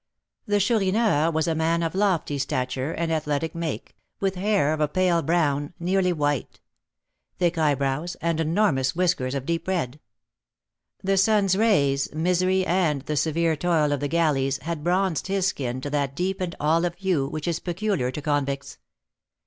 The Chourineur was a man of lofty stature and athletic make, with hair of a pale brown, nearly white; thick eyebrows, and enormous whiskers of deep red. The sun's rays, misery, and the severe toil of the galleys had bronzed his skin to that deep and olive hue which is peculiar to convicts.